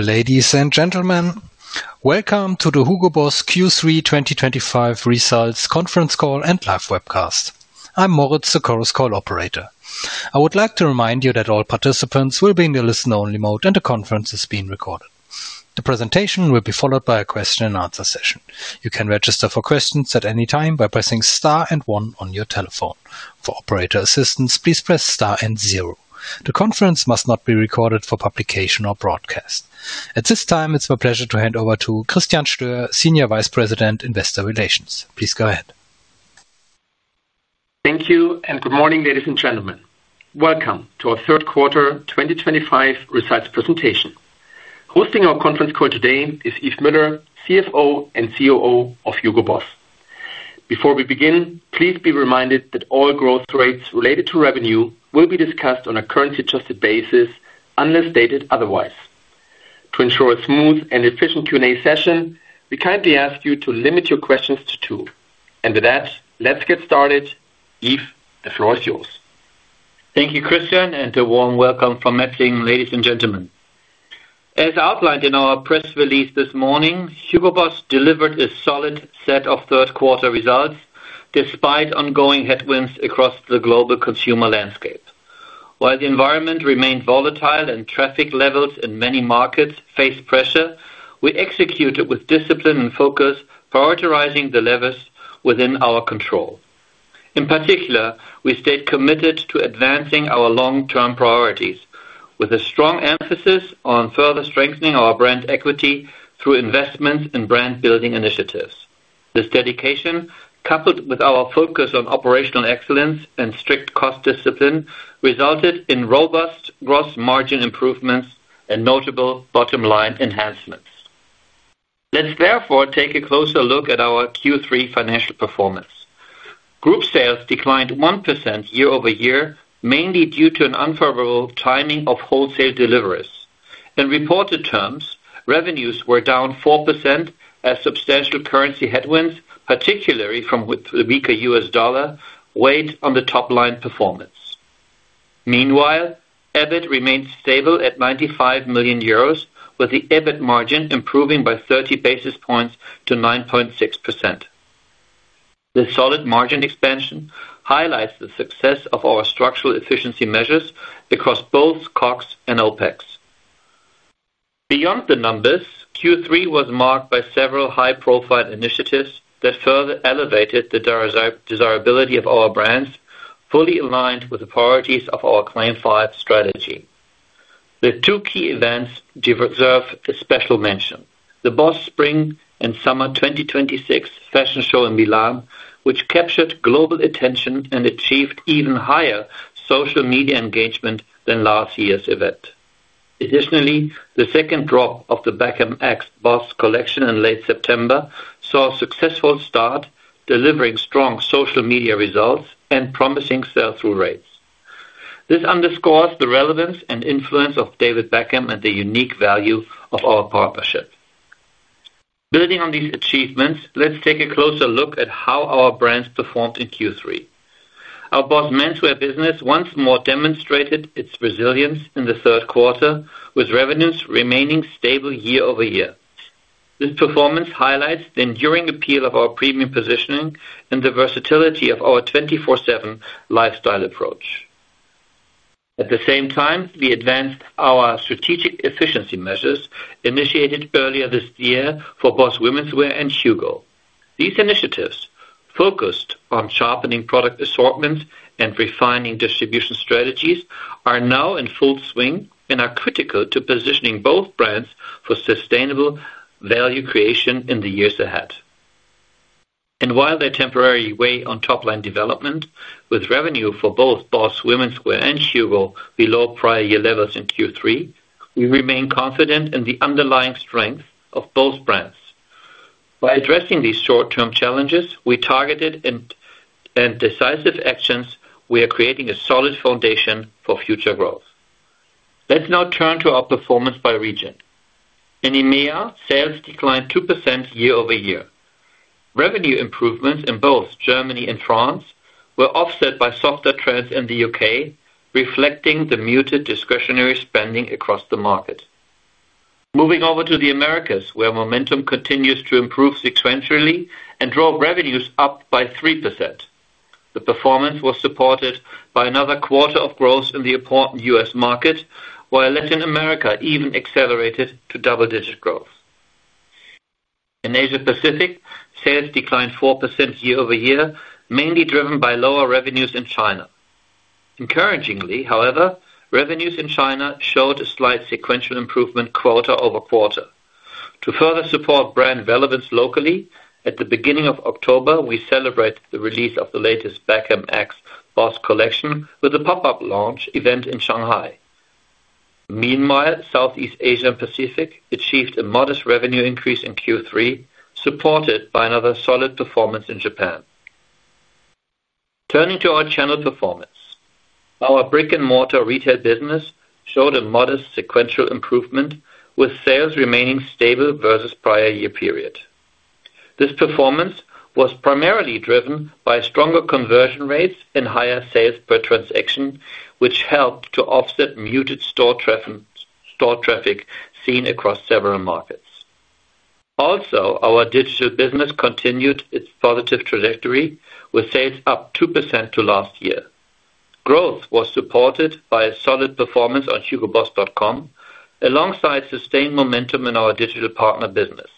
Ladies and gentlemen, welcome to the Hugo Boss Q3 2025 results conference call and live webcast. I'm Moritz, the Chorus Call operator. I would like to remind you that all participants will be in the listen-only mode, and the conference is being recorded. The presentation will be followed by a question-and-answer session. You can register for questions at any time by pressing star and one on your telephone. For operator assistance, please press star and zero. The conference must not be recorded for publication or broadcast. At this time, it's my pleasure to hand over to Christian Stoehr, Senior Vice President, Investor Relations. Please go ahead. Thank you, and good morning, ladies and gentlemen. Welcome to our third quarter 2025 results presentation. Hosting our conference call today is Yves Müller, CFO and COO of Hugo Boss. Before we begin, please be reminded that all growth rates related to revenue will be discussed on a currency-adjusted basis unless stated otherwise. To ensure a smooth and efficient Q&A session, we kindly ask you to limit your questions to two. With that, let's get started. Yves, the floor is yours. Thank you, Christian, and a warm welcome from me to you, ladies and gentlemen. As outlined in our press release this morning, Hugo Boss delivered a solid set of third-quarter results despite ongoing headwinds across the global consumer landscape. While the environment remained volatile and traffic levels in many markets faced pressure, we executed with discipline and focus, prioritizing the levers within our control. In particular, we stayed committed to advancing our long-term priorities, with a strong emphasis on further strengthening our brand equity through investments in brand-building initiatives. This dedication, coupled with our focus on operational excellence and strict cost discipline, resulted in robust gross margin improvements and notable bottom-line enhancements. Let's therefore take a closer look at our Q3 financial performance. Group sales declined 1% year-over-year, mainly due to an unfavorable timing of wholesale deliveries. In reported terms, revenues were down 4%, as substantial currency headwinds, particularly from the weaker US dollar, weighed on the top-line performance. Meanwhile, EBIT remained stable at 95 million euros, with the EBIT margin improving by 30 basis points to 9.6%. This solid margin expansion highlights the success of our structural efficiency measures across both CapEx and OpEx. Beyond the numbers, Q3 was marked by several high-profile initiatives that further elevated the desirability of our brands, fully aligned with the priorities of our Claim 5 Strategy. The two key events deserve a special mention: the Boss Spring/Summer 2026 fashion show in Milan, which captured global attention and achieved even higher social media engagement than last year's event. Additionally, the second drop of the Beckham x Boss collection in late September saw a successful start, delivering strong social media results and promising sales-through rates. This underscores the relevance and influence of David Beckham and the unique value of our partnership. Building on these achievements, let's take a closer look at how our brands performed in Q3. Our Boss menswear business once more demonstrated its resilience in the third quarter, with revenues remaining stable year-over-year. This performance highlights the enduring appeal of our premium positioning and the versatility of our 24/7 lifestyle approach. At the same time, we advanced our strategic efficiency measures initiated earlier this year for Boss womenswear and Hugo. These initiatives, focused on sharpening product assortments and refining distribution strategies, are now in full swing and are critical to positioning both brands for sustainable value creation in the years ahead. While they temporarily weigh on top-line development, with revenue for both Boss womenswear and Hugo below prior year levels in Q3, we remain confident in the underlying strength of both brands. By addressing these short-term challenges with targeted and decisive actions, we are creating a solid foundation for future growth. Let's now turn to our performance by region. In EMEA, sales declined 2% year-over-year. Revenue improvements in both Germany and France were offset by softer trends in the U.K., reflecting the muted discretionary spending across the market. Moving over to the Americas, where momentum continues to improve sequentially and draw revenues up by 3%. The performance was supported by another quarter of growth in the important U.S. market, while Latin America even accelerated to double-digit growth. In Asia-Pacific, sales declined 4% year-over-year, mainly driven by lower revenues in China. Encouragingly, however, revenues in China showed a slight sequential improvement quarter-over-quarter. To further support brand relevance locally, at the beginning of October, we celebrated the release of the latest Beckham x Boss collection with a pop-up launch event in Shanghai. Meanwhile, Southeast Asia and Pacific achieved a modest revenue increase in Q3, supported by another solid performance in Japan. Turning to our channel performance, our brick-and-mortar retail business showed a modest sequential improvement, with sales remaining stable versus the prior year period. This performance was primarily driven by stronger conversion rates and higher sales per transaction, which helped to offset muted store traffic seen across several markets. Also, our digital business continued its positive trajectory, with sales up 2% to last year. Growth was supported by solid performance on hugoboss.com, alongside sustained momentum in our digital partner business.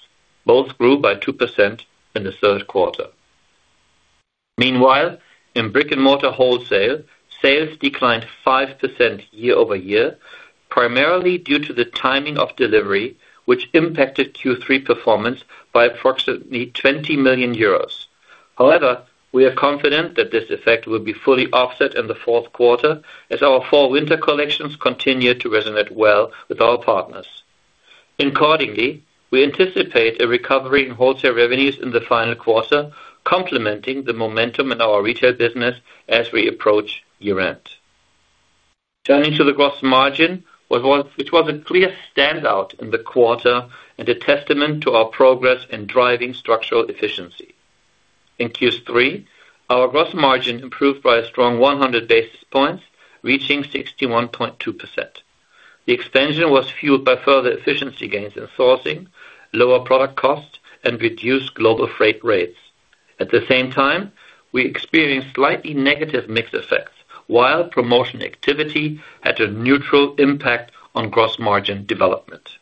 Both grew by 2% in the third quarter. Meanwhile, in brick-and-mortar wholesale, sales declined 5% year-over-year, primarily due to the timing of delivery, which impacted Q3 performance by approximately 20 million euros. However, we are confident that this effect will be fully offset in the fourth quarter, as our fall/winter collections continue to resonate well with our partners. Accordingly, we anticipate a recovery in wholesale revenues in the final quarter, complementing the momentum in our retail business as we approach year-end. Turning to the gross margin, which was a clear standout in the quarter and a testament to our progress in driving structural efficiency. In Q3, our gross margin improved by a strong 100 basis points, reaching 61.2%. The expansion was fueled by further efficiency gains in sourcing, lower product costs, and reduced global freight rates. At the same time, we experienced slightly negative mix effects, while promotion activity had a neutral impact on gross margin development.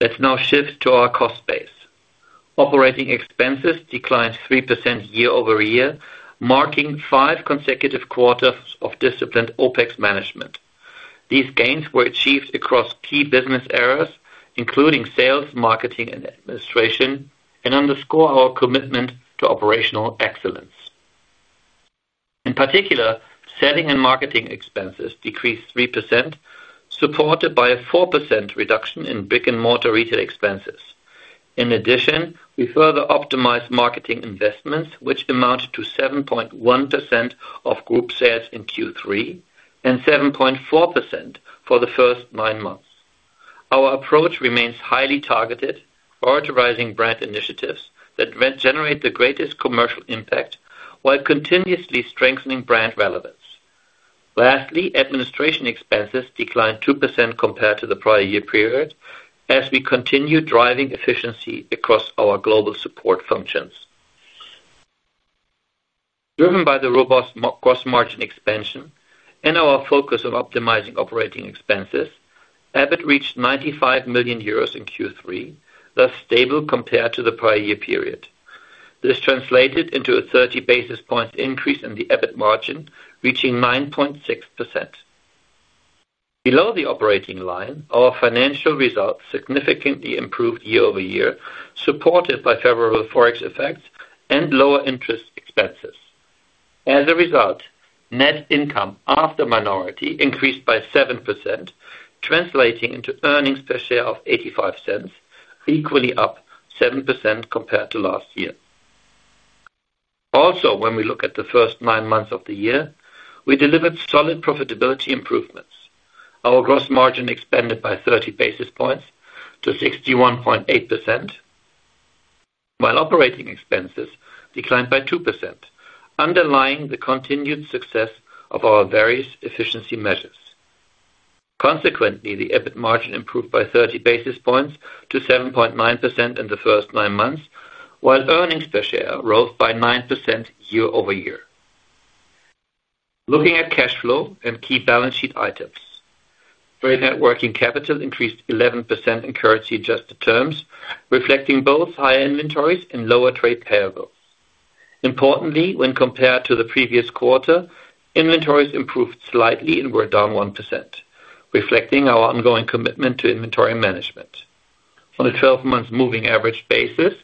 Let's now shift to our cost base. Operating expenses declined 3% year-over-year, marking five consecutive quarters of disciplined OpEx management. These gains were achieved across key business areas, including sales, marketing, and administration, and underscore our commitment to operational excellence. In particular, selling and marketing expenses decreased 3%. Supported by a 4% reduction in brick-and-mortar retail expenses. In addition, we further optimized marketing investments, which amounted to 7.1% of group sales in Q3 and 7.4% for the first nine months. Our approach remains highly targeted, prioritizing brand initiatives that generate the greatest commercial impact while continuously strengthening brand relevance. Lastly, administration expenses declined 2% compared to the prior year period, as we continue driving efficiency across our global support functions. Driven by the robust gross margin expansion and our focus on optimizing operating expenses, EBIT reached 95 million euros in Q3, thus stable compared to the prior year period. This translated into a 30 basis point increase in the EBIT margin, reaching 9.6%. Below the operating line, our financial results significantly improved year-over-year, supported by favorable forex effects and lower interest expenses. As a result, net income after minority increased by 7%, translating into earnings per share of $0.85, equally up 7% compared to last year. Also, when we look at the first nine months of the year, we delivered solid profitability improvements. Our gross margin expanded by 30 basis points to 61.8%. While operating expenses declined by 2%, underlying the continued success of our various efficiency measures. Consequently, the EBIT margin improved by 30 basis points to 7.9% in the first nine months, while earnings per share rose by 9% year-over-year. Looking at cash flow and key balance sheet items, net working capital increased 11% in currency-adjusted terms, reflecting both higher inventories and lower trade payables. Importantly, when compared to the previous quarter, inventories improved slightly and were down 1%, reflecting our ongoing commitment to inventory management. On a 12-month moving average basis,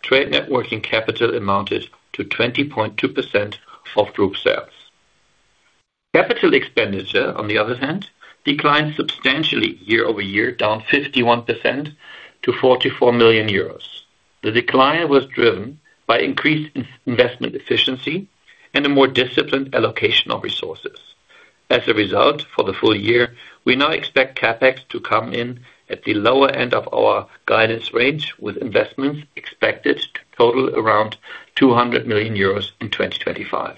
trade net working capital amounted to 20.2% of group sales. Capital expenditure, on the other hand, declined substantially year-over-year, down 51% to 44 million euros. The decline was driven by increased investment efficiency and a more disciplined allocation of resources. As a result, for the full year, we now expect CapEx to come in at the lower end of our guidance range, with investments expected to total around 200 million euros in 2025.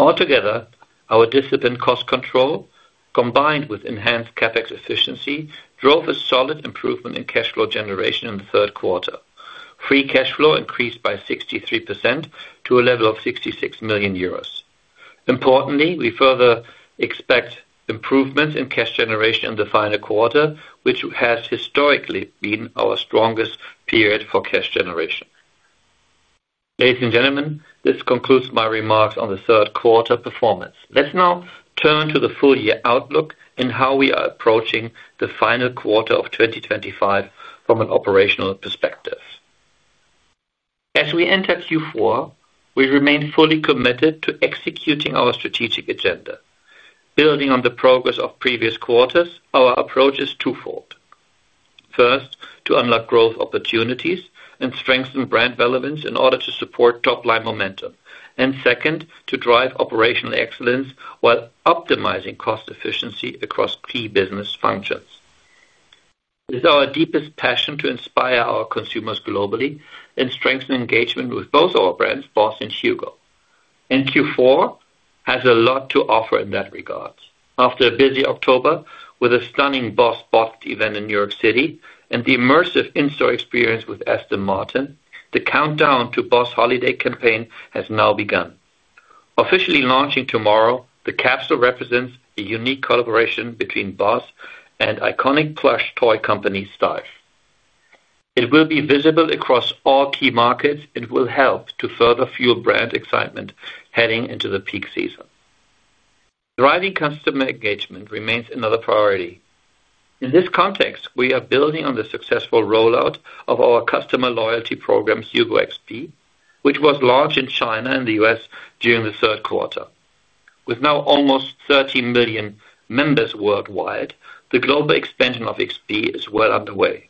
Altogether, our disciplined cost control, combined with enhanced CapEx efficiency, drove a solid improvement in cash flow generation in the third quarter. Free cash flow increased by 63% to a level of 66 million euros. Importantly, we further expect improvements in cash generation in the final quarter, which has historically been our strongest period for cash generation. Ladies and gentlemen, this concludes my remarks on the third quarter performance. Let's now turn to the full-year outlook and how we are approaching the final quarter of 2025 from an operational perspective. As we enter Q4, we remain fully committed to executing our strategic agenda. Building on the progress of previous quarters, our approach is twofold. First, to unlock growth opportunities and strengthen brand relevance in order to support top-line momentum, and second, to drive operational excellence while optimizing cost efficiency across key business functions. It is our deepest passion to inspire our consumers globally and strengthen engagement with both our brands, Boss and Hugo. Q4 has a lot to offer in that regard. After a busy October with a stunning Boss event in New York City and the immersive in-store experience with Aston Martin, the countdown to Boss holiday campaign has now begun. Officially launching tomorrow, the capsule represents a unique collaboration between Boss and iconic plush toy company Steiff. It will be visible across all key markets and will help to further fuel brand excitement heading into the peak season. Driving customer engagement remains another priority. In this context, we are building on the successful rollout of our customer loyalty program, Hugo XP, which was launched in China and the U.S. during the third quarter. With now almost 30 million members worldwide, the global expansion of XP is well underway.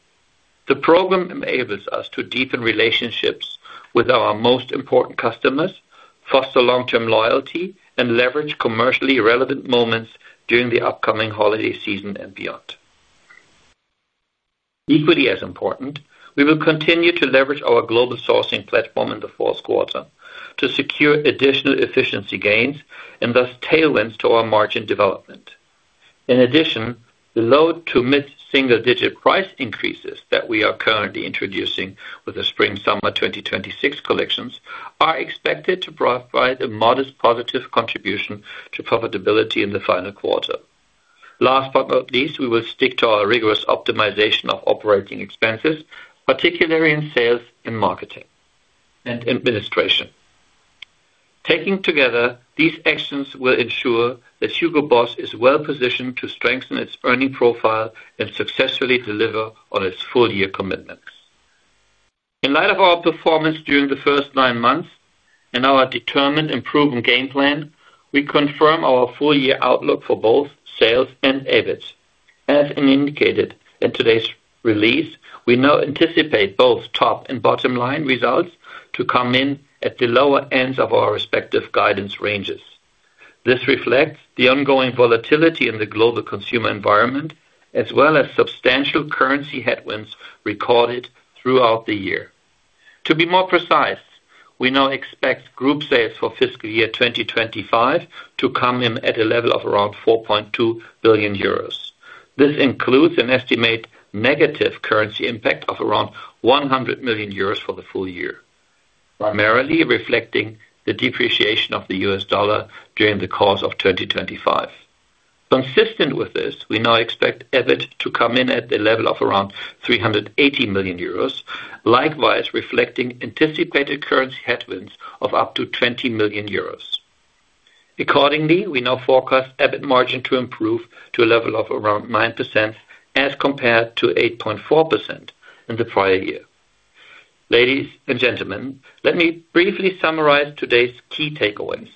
The program enables us to deepen relationships with our most important customers, foster long-term loyalty, and leverage commercially relevant moments during the upcoming holiday season and beyond. Equally as important, we will continue to leverage our global sourcing platform in the fourth quarter to secure additional efficiency gains and thus tailwinds to our margin development. In addition, the low to mid-single-digit price increases that we are currently introducing with the spring/summer 2026 collections are expected to provide a modest positive contribution to profitability in the final quarter. Last but not least, we will stick to our rigorous optimization of operating expenses, particularly in sales and marketing and administration. Taken together, these actions will ensure that Hugo Boss is well positioned to strengthen its earning profile and successfully deliver on its full-year commitments. In light of our performance during the first nine months and our determined improvement game plan, we confirm our full-year outlook for both sales and EBIT. As indicated in today's release, we now anticipate both top and bottom-line results to come in at the lower ends of our respective guidance ranges. This reflects the ongoing volatility in the global consumer environment, as well as substantial currency headwinds recorded throughout the year. To be more precise, we now expect group sales for fiscal year 2025 to come in at a level of around 4.2 billion euros. This includes an estimated negative currency impact of around 100 million euros for the full year, primarily reflecting the depreciation of the U.S. dollar during the course of 2025. Consistent with this, we now expect EBIT to come in at the level of around 380 million euros, likewise reflecting anticipated currency headwinds of up to 20 million euros. Accordingly, we now forecast EBIT margin to improve to a level of around 9% as compared to 8.4% in the prior year. Ladies and gentlemen, let me briefly summarize today's key takeaways.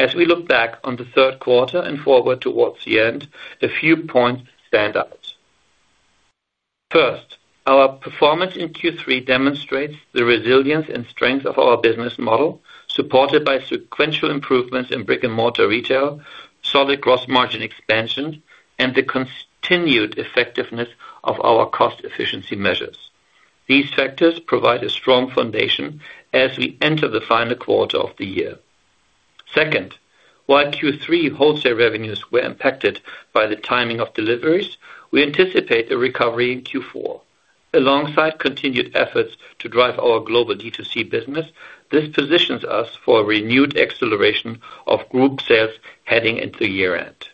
As we look back on the third quarter and forward towards the end, a few points stand out. First, our performance in Q3 demonstrates the resilience and strength of our business model, supported by sequential improvements in brick-and-mortar retail, solid gross margin expansion, and the continued effectiveness of our cost efficiency measures. These factors provide a strong foundation as we enter the final quarter of the year. Second, while Q3 wholesale revenues were impacted by the timing of deliveries, we anticipate a recovery in Q4. Alongside continued efforts to drive our global D2C business, this positions us for a renewed acceleration of group sales heading into year-end.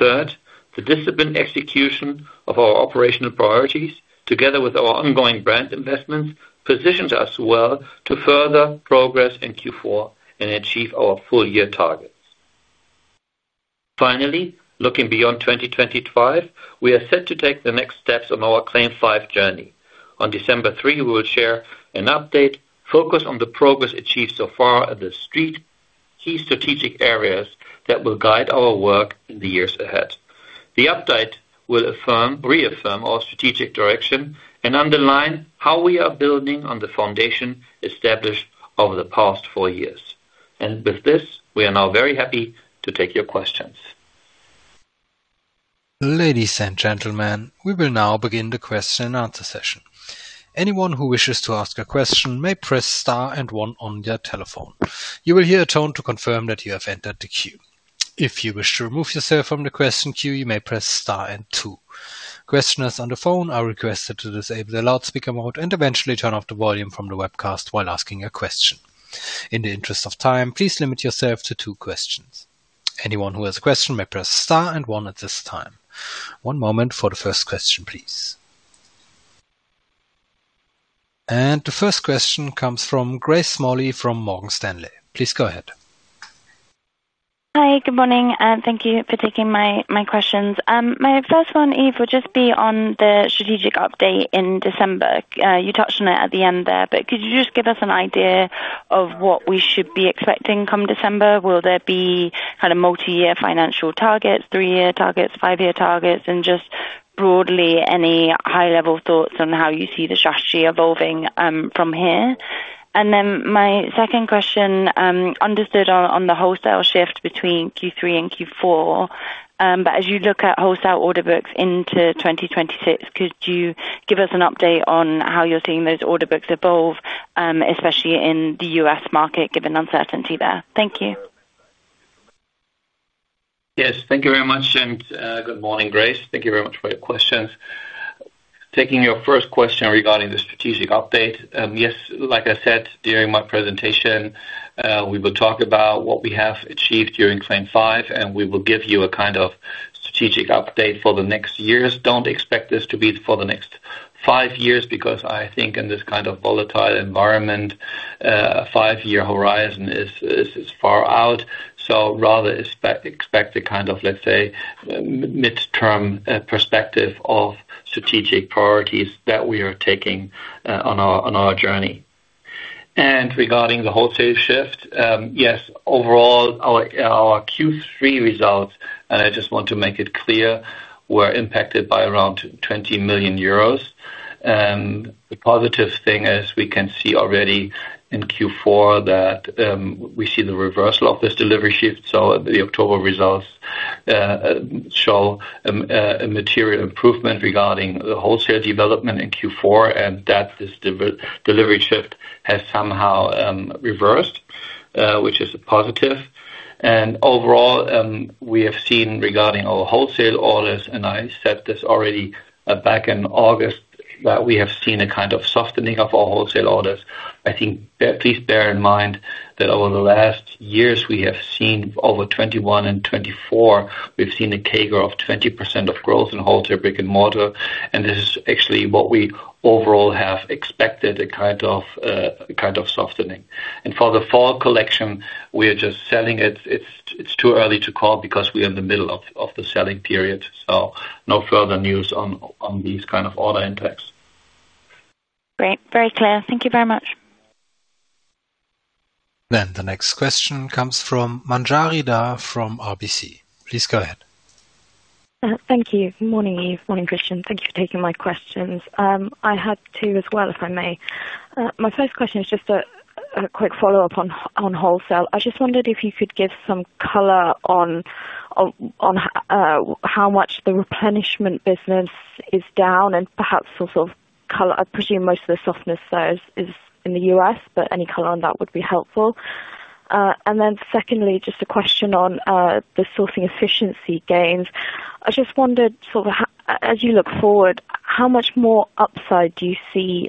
Third, the disciplined execution of our operational priorities, together with our ongoing brand investments, positions us well to further progress in Q4 and achieve our full-year targets. Finally, looking beyond 2025, we are set to take the next steps on our Claim 5 journey. On December 3, we will share an update focused on the progress achieved so far at the three key strategic areas that will guide our work in the years ahead. The update will reaffirm our strategic direction and underline how we are building on the foundation established over the past four years. With this, we are now very happy to take your questions. Ladies and gentlemen, we will now begin the question-and-answer session. Anyone who wishes to ask a question may press star and one on their telephone. You will hear a tone to confirm that you have entered the queue. If you wish to remove yourself from the question queue, you may press star and two. Questioners on the phone are requested to disable the loudspeaker mode and eventually turn off the volume from the webcast while asking a question. In the interest of time, please limit yourself to two questions. Anyone who has a question may press star and one at this time. One moment for the first question, please. The first question comes from Grace Jolly from Morgan Stanley. Please go ahead. Hi, good morning. Thank you for taking my questions. My first one, Yves, would just be on the strategic update in December. You touched on it at the end there, but could you just give us an idea of what we should be expecting come December? Will there be kind of multi-year financial targets, three-year targets, five-year targets, and just broadly any high-level thoughts on how you see the strategy evolving from here? My second question, understood on the wholesale shift between Q3 and Q4. As you look at wholesale order books into 2026, could you give us an update on how you're seeing those order books evolve, especially in the U.S. market, given uncertainty there? Thank you. Yes, thank you very much. Good morning, Grace. Thank you very much for your questions. Taking your first question regarding the strategic update, yes, like I said during my presentation, we will talk about what we have achieved during Claim 5, and we will give you a kind of strategic update for the next years. Do not expect this to be for the next five years because I think in this kind of volatile environment, a five-year horizon is far out. Rather expect a kind of, let's say, mid-term perspective of strategic priorities that we are taking on our journey. Regarding the wholesale shift, yes, overall, our Q3 results, and I just want to make it clear, were impacted by around 20 million euros. The positive thing is we can see already in Q4 that we see the reversal of this delivery shift. The October results show a material improvement regarding the wholesale development in Q4 and that this delivery shift has somehow reversed, which is a positive. Overall, we have seen regarding our wholesale orders, and I said this already back in August, that we have seen a kind of softening of our wholesale orders. I think please bear in mind that over the last years, we have seen over 2021 and 2024, we have seen a CAGR of 20% of growth in wholesale brick-and-mortar, and this is actually what we overall have expected, a kind of softening. For the fall collection, we are just selling it. It is too early to call because we are in the middle of the selling period. No further news on these kind of order index. Great. Very clear. Thank you very much. The next question comes from Manjari Dhar from RBC. Please go ahead. Thank you. Good morning, Yves. Morning, Christian. Thank you for taking my questions. I had two as well, if I may. My first question is just a quick follow-up on wholesale. I just wondered if you could give some color on how much the replenishment business is down and perhaps sort of color. I presume most of the softness there is in the U.S., but any color on that would be helpful. Secondly, just a question on the sourcing efficiency gains. I just wondered, sort of as you look forward, how much more upside do you see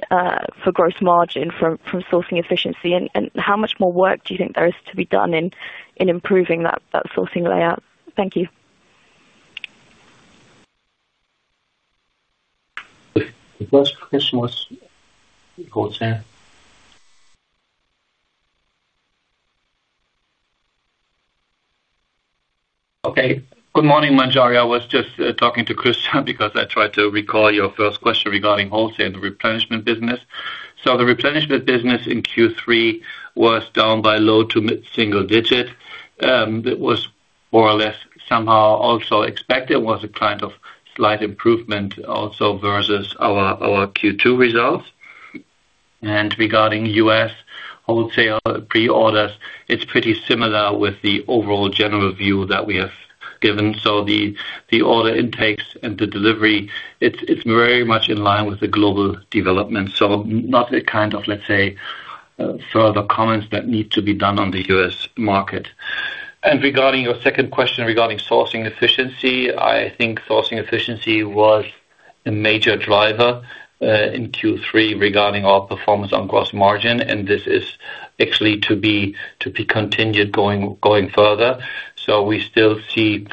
for gross margin from sourcing efficiency, and how much more work do you think there is to be done in improving that sourcing layout? Thank you. The first question was wholesale. Okay. Good morning, Manjari. I was just talking to Christian because I tried to recall your first question regarding wholesale and the replenishment business. The replenishment business in Q3 was down by low to mid-single digit. It was more or less somehow also expected, was a kind of slight improvement also versus our Q2 results. Regarding U.S. wholesale pre-orders, it is pretty similar with the overall general view that we have given. The order intakes and the delivery, it is very much in line with the global development. Not a kind of, let's say, further comments that need to be done on the U.S. market. Regarding your second question regarding sourcing efficiency, I think sourcing efficiency was a major driver in Q3 regarding our performance on gross margin, and this is actually to be continued going further. We still see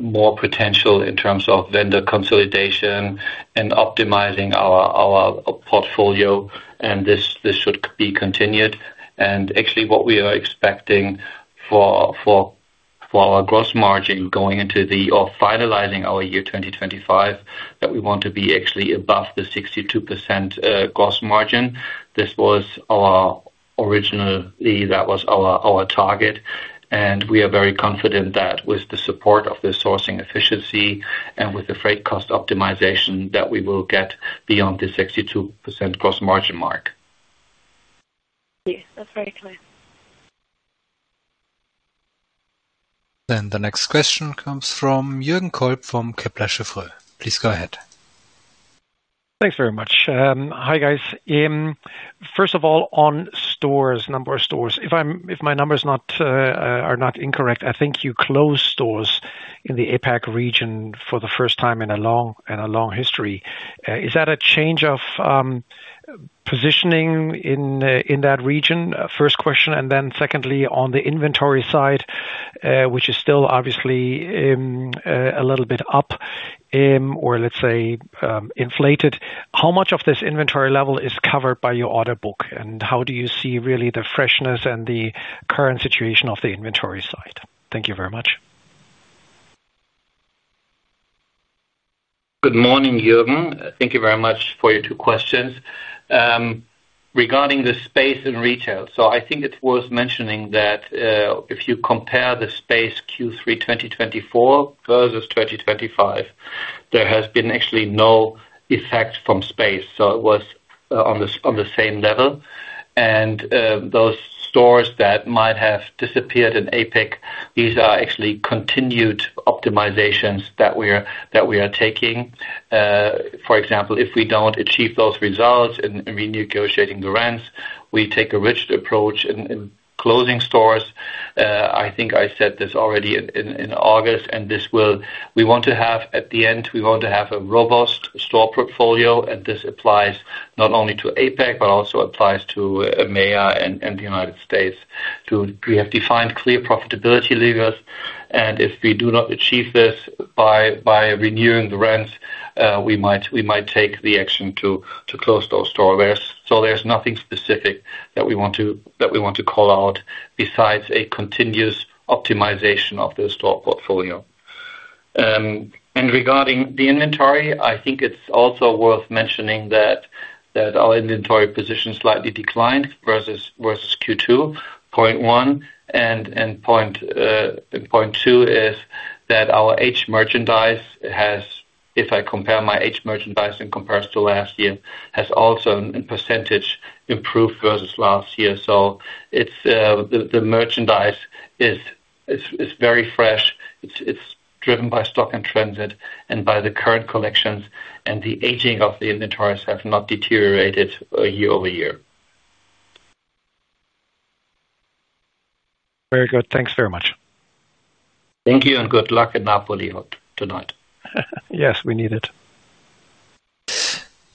more potential in terms of vendor consolidation and optimizing our portfolio, and this should be continued. Actually, what we are expecting for our gross margin going into the or finalizing our year 2025, that we want to be actually above the 62% gross margin. This was our originally that was our target. We are very confident that with the support of the sourcing efficiency and with the freight cost optimization that we will get beyond the 62% gross margin mark. Yes, that is very clear. The next question comes from Jürgen Kolb from Kepler Cheuvreux. Please go ahead. Thanks very much. Hi, guys. First of all, on stores, number of stores. If my numbers are not incorrect, I think you closed stores in the APAC region for the first time in a long history. Is that a change of positioning in that region? First question. Secondly, on the inventory side, which is still obviously a little bit up, or let's say inflated, how much of this inventory level is covered by your order book? How do you see really the freshness and the current situation of the inventory side? Thank you very much. Good morning, Jürgen. Thank you very much for your two questions. Regarding the space in retail, I think it is worth mentioning that if you compare the space Q3 2024 versus 2025, there has been actually no effect from space. It was on the same level. Those stores that might have disappeared in APAC, these are actually continued optimizations that we are taking. For example, if we do not achieve those results in renegotiating the rents, we take a rigid approach in closing stores. I think I said this already in August, and at the end, we want to have a robust store portfolio, and this applies not only to APAC, but also applies to EMEA and the United States. We have defined clear profitability levels, and if we do not achieve this by renewing the rents, we might take the action to close those stores. There is nothing specific that we want to call out besides a continuous optimization of the store portfolio. Regarding the inventory, I think it is also worth mentioning that our inventory position slightly declined versus Q2. Point one and point two is that our H merchandise has, if I compare my H merchandise in comparison to last year, also in percentage improved versus last year. The merchandise is very fresh. It is driven by stock in transit and by the current collections, and the aging of the inventories has not deteriorated year-over-year. Very good. Thanks very much. Thank you, and good luck at Napoli tonight. Yes, we need it.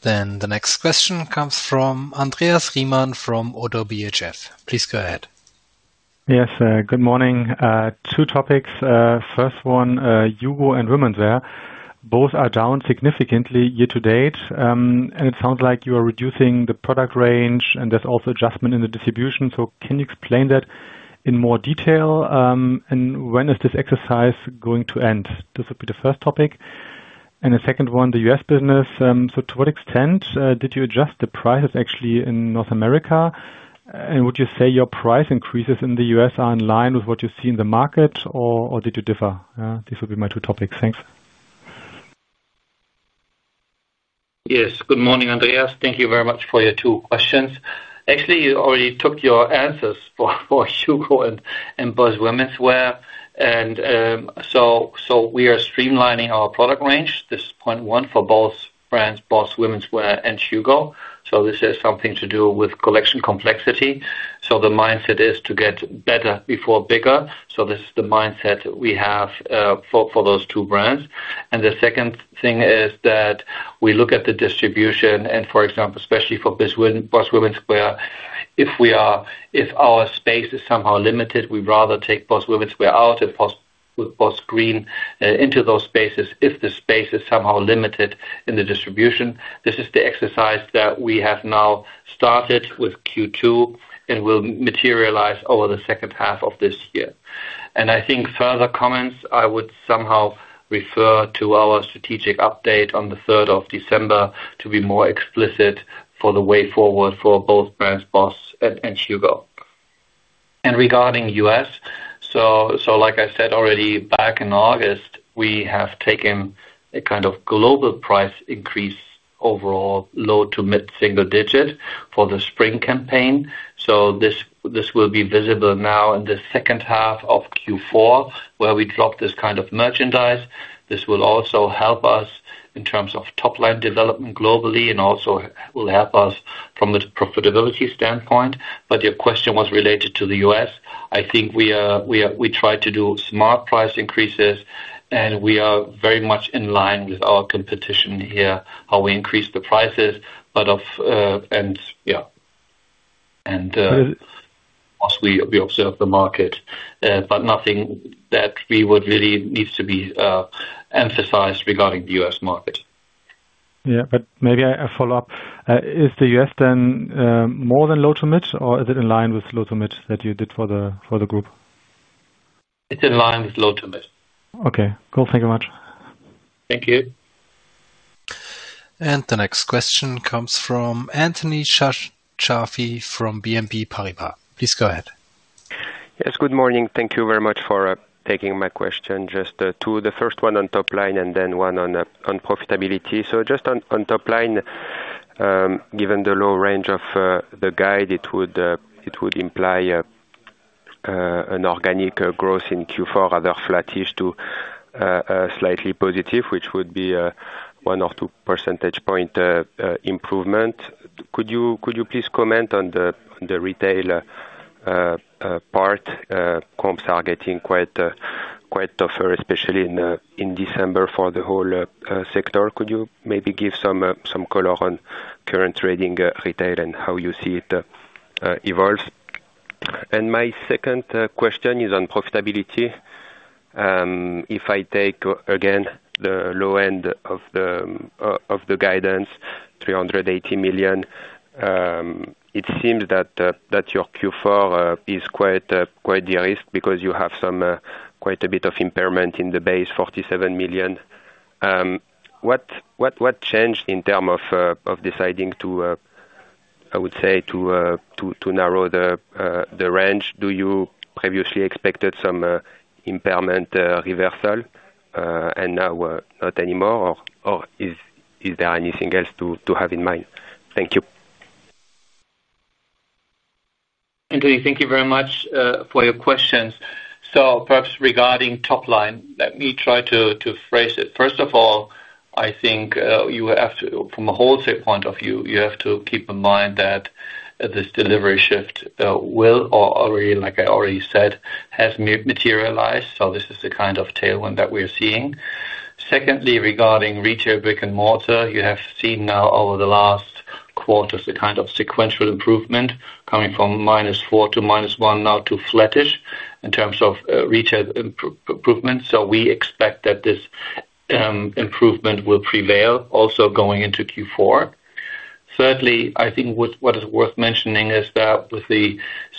The next question comes from Andreas Riemann from ODDO BHF. Please go ahead. Yes, good morning. Two topics. First one, Hugo and Woman's Wear. Both are down significantly year to date. It sounds like you are reducing the product range, and there is also adjustment in the distribution. Can you explain that in more detail? When is this exercise going to end? This would be the first topic. The second one, the U.S. business. To what extent did you adjust the prices actually in North America? Would you say your price increases in the U.S. are in line with what you see in the market, or did you differ? These would be my two topics. Thanks. Yes. Good morning, Andreas. Thank you very much for your two questions. Actually, you already took your answers for Hugo and Boss Women's Wear. We are streamlining our product range, this 0.1 for both brands, Boss Women's Wear and Hugo. This has something to do with collection complexity. The mindset is to get better before bigger. This is the mindset we have for those two brands. The second thing is that we look at the distribution. For example, especially for Boss Women's Wear, if our space is somehow limited, we would rather take Boss Women's Wear out and Boss Green into those spaces if the space is somehow limited in the distribution. This is the exercise that we have now started with Q2 and will materialize over the second half of this year. I think further comments, I would somehow refer to our strategic update on the 3rd of December to be more explicit for the way forward for both brands, Boss and Hugo. Regarding U.S., like I said already, back in August, we have taken a kind of global price increase overall, low to mid-single digit for the spring campaign. This will be visible now in the second half of Q4, where we dropped this kind of merchandise. This will also help us in terms of top-line development globally and also will help us from the profitability standpoint. Your question was related to the U.S. I think we tried to do smart price increases, and we are very much in line with our competition here, how we increase the prices. Of course, we observe the market, but nothing that we would really need to be emphasized regarding the U.S. market. Yeah, but maybe I follow up. Is the U.S. then more than low to mid, or is it in line with low to mid that you did for the group? It's in line with low to mid. Okay. Cool. Thank you very much. Thank you. The next question comes from Anthony Chaffin from BNP Paribas. Please go ahead. Yes, good morning. Thank you very much for taking my question. Just the first one on top line and then one on profitability. Just on top line, given the low range of the guide, it would imply an organic growth in Q4, rather flattish to slightly positive, which would be a one or two percentage point improvement. Could you please comment on the retail part? Comps are getting quite tougher, especially in December for the whole sector. Could you maybe give some color on current trading retail and how you see it evolve? My second question is on profitability. If I take again the low end of the guidance, 380 million, it seems that your Q4 is quite the risk because you have quite a bit of impairment in the base, 47 million. What changed in terms of deciding to, I would say, to narrow the range? Did you previously expect some impairment reversal? Not anymore, or is there anything else to have in mind? Thank you. Anthony, thank you very much for your questions. Perhaps regarding top line, let me try to phrase it. First of all, I think you have to, from a wholesale point of view, keep in mind that this delivery shift will, like I already said, have materialized. This is the kind of tailwind that we are seeing. Secondly, regarding retail brick-and-mortar, you have seen now over the last quarter the kind of sequential improvement coming from -4 to -1 now to flattish in terms of retail improvement. We expect that this improvement will prevail also going into Q4. Thirdly, I think what is worth mentioning is that with the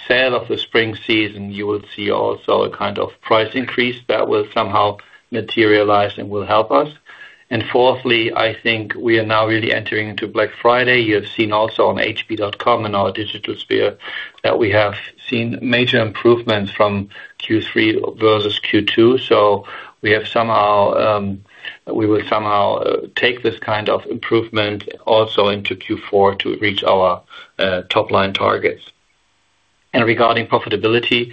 sale of the spring season, you will see also a kind of price increase that will somehow materialize and will help us. Fourthly, I think we are now really entering into Black Friday. You have seen also on hp.com and our digital sphere that we have seen major improvements from Q3 versus Q2. We will somehow take this kind of improvement also into Q4 to reach our top-line targets. Regarding profitability,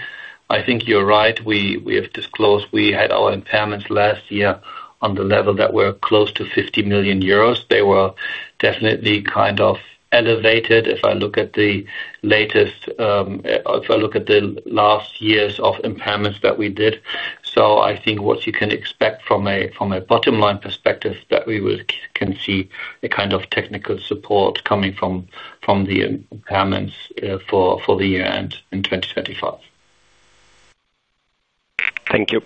I think you're right. We have disclosed we had our impairments last year on the level that were close to 50 million euros. They were definitely kind of elevated if I look at the latest, if I look at the last years of impairments that we did. I think what you can expect from a bottom-line perspective is that we can see a kind of technical support coming from the impairments for the year end in 2025. Thank you.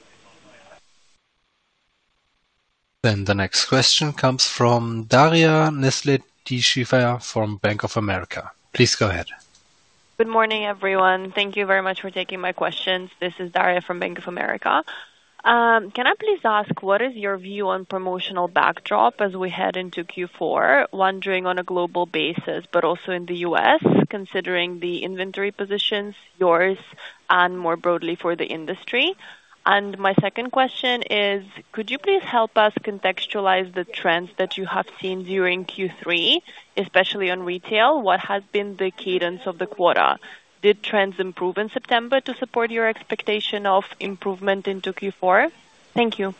The next question comes from Daria Nesvet from Bank of America. Please go ahead. Good morning, everyone. Thank you very much for taking my questions. This is Daria from Bank of America. Can I please ask, what is your view on promotional backdrop as we head into Q4, wondering on a global basis, but also in the U.S., considering the inventory positions, yours, and more broadly for the industry? My second question is, could you please help us contextualize the trends that you have seen during Q3, especially on retail? What has been the cadence of the quarter? Did trends improve in September to support your expectation of improvement into Q4? Thank you.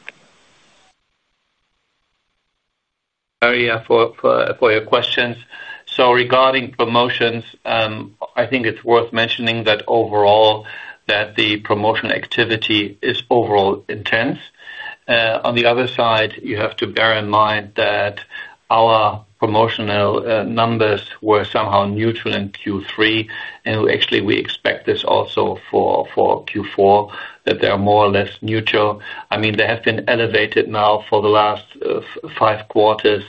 Daria, for your questions. Regarding promotions, I think it's worth mentioning that overall, the promotion activity is overall intense. On the other side, you have to bear in mind that our promotional numbers were somehow neutral in Q3, and actually, we expect this also for Q4, that they are more or less neutral. I mean, they have been elevated now for the last. Five quarters,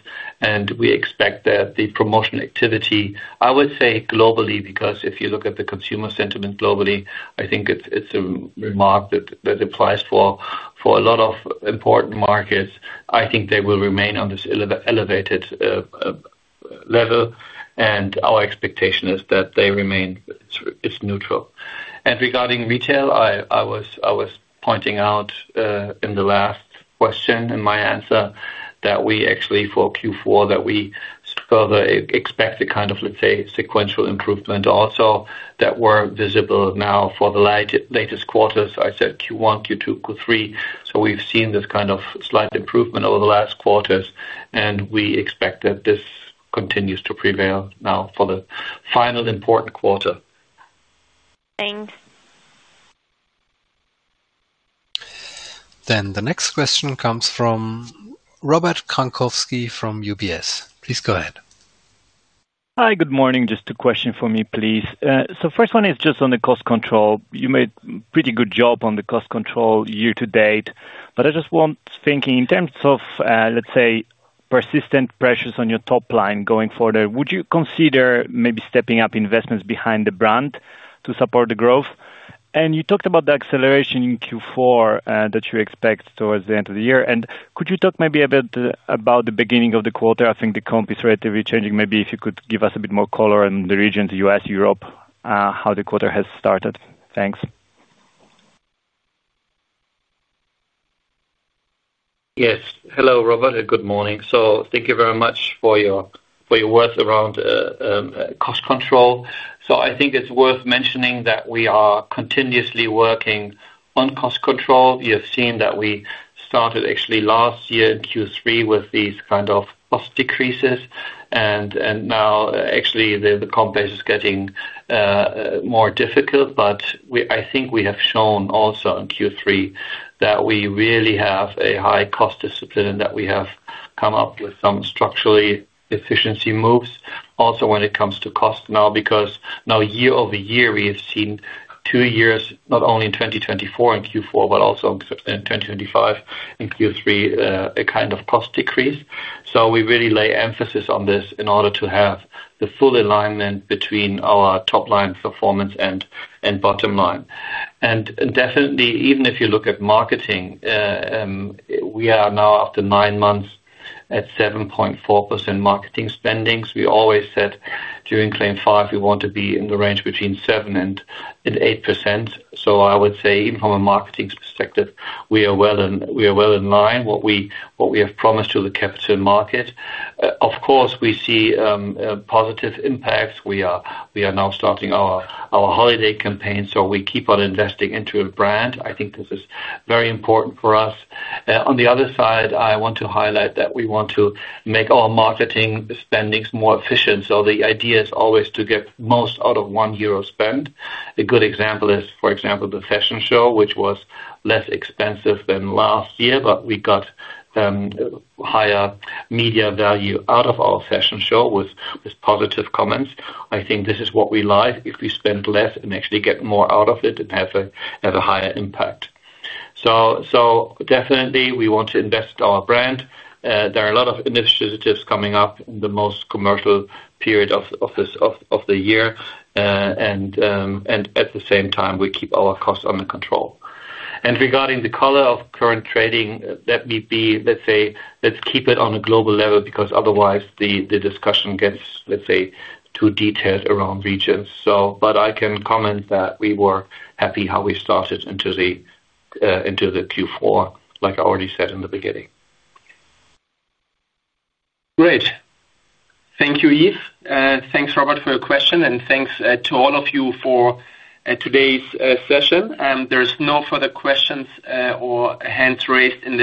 and we expect that the promotion activity, I would say globally, because if you look at the consumer sentiment globally, I think it's a remark that applies for a lot of important markets, I think they will remain on this elevated level. Our expectation is that they remain neutral. Regarding retail, I was pointing out in the last question in my answer that we actually, for Q4, further expect a kind of, let's say, sequential improvement also that was visible now for the latest quarters. I said Q1, Q2, Q3. We have seen this kind of slight improvement over the last quarters, and we expect that this continues to prevail now for the final important quarter. Thanks. The next question comes from Robert Kankowski from UBS. Please go ahead. Hi, good morning. Just a question for me, please. First one is just on the cost control. You made a pretty good job on the cost control year to date, but I just was thinking in terms of, let's say, persistent pressures on your top line going further, would you consider maybe stepping up investments behind the brand to support the growth? You talked about the acceleration in Q4 that you expect towards the end of the year. Could you talk maybe a bit about the beginning of the quarter? I think the comp is relatively changing. Maybe if you could give us a bit more color in the region, the U.S., Europe, how the quarter has started. Thanks. Yes. Hello, Robert. Good morning. Thank you very much for your words around cost control. I think it's worth mentioning that we are continuously working on cost control. You have seen that we started actually last year in Q3 with these kind of cost decreases. Now, actually, the comp base is getting more difficult. I think we have shown also in Q3 that we really have a high cost discipline and that we have come up with some structural efficiency moves also when it comes to cost now because now, year-over-year, we have seen two years, not only in 2024 in Q4, but also in 2025 in Q3, a kind of cost decrease. We really lay emphasis on this in order to have the full alignment between our top-line performance and bottom line. Definitely, even if you look at marketing, we are now after nine months at 7.4% marketing spendings. We always said during Claim 5, we want to be in the range between 7%-8%. I would say, even from a marketing perspective, we are well in line with what we have promised to the capital market. Of course, we see positive impacts. We are now starting our holiday campaign, so we keep on investing into a brand. I think this is very important for us. On the other side, I want to highlight that we want to make our marketing spendings more efficient. The idea is always to get most out of one euro spent. A good example is, for example, the fashion show, which was less expensive than last year, but we got higher media value out of our fashion show with positive comments. I think this is what we like. If we spend less and actually get more out of it and have a higher impact. Definitely, we want to invest our brand. There are a lot of initiatives coming up in the most commercial period of the year. At the same time, we keep our costs under control. Regarding the color of current trading, let me be, let's say, let's keep it on a global level because otherwise the discussion gets, let's say, too detailed around regions. I can comment that we were happy how we started into the Q4, like I already said in the beginning. Great. Thank you, Yves. Thanks, Robert, for your question. Thanks to all of you for today's session. There are no further questions or hands raised in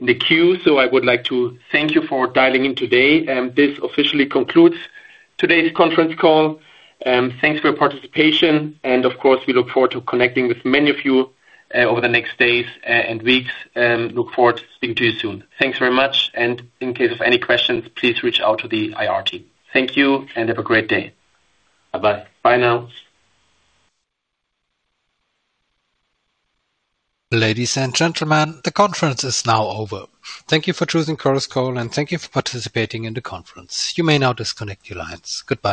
the queue. I would like to thank you for dialing in today. This officially concludes today's conference call. Thanks for your participation. Of course, we look forward to connecting with many of you over the next days and weeks. Look forward to speaking to you soon. Thanks very much. In case of any questions, please reach out to the IR team. Thank you and have a great day. Bye-bye. Bye now. Ladies and gentlemen, the conference is now over. Thank you for choosing Chorus Call, and thank you for participating in the conference. You may now disconnect your lines. Goodbye.